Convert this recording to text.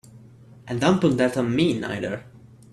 And don't pull that on me neither!